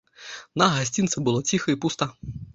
На гасцінцы было ціха і пуста.